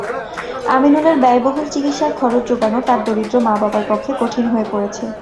আমিনুলের ব্যয়বহুল চিকিৎসার খরচ জোগানো তাঁর দরিদ্র মা-বাবার পক্ষে কঠিন হয়ে পড়েছে।